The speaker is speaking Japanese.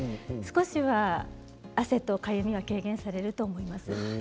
少しは汗とかゆみが軽減されると思います。